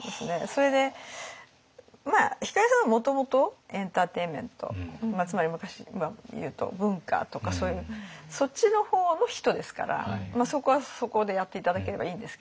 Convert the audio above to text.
それでまあ光さんはもともとエンターテインメントつまり昔で言うと文化とかそういうそっちの方の人ですからそこはそこでやって頂ければいいんですけど。